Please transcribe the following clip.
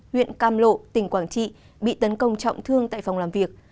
huyện cam lộ tỉnh quảng trị bị tấn công trọng thương tại phòng làm việc